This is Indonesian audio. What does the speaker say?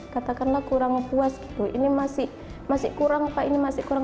katakanlah kurang puas gitu ini masih masih kurang pak ini masih kurang